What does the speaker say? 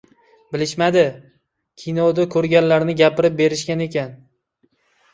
Bilishmadi. Kinoda ko‘rganlarini gapirib berishgan ekan.